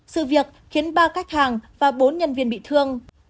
sự việc khiến ba khách hàng và bốn nhân viên bị thương